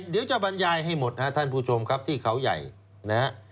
เดี๋ยวจะบรรยายให้หมดนะครับท่านผู้ชมครับที่เขาใหญ่นะฮะ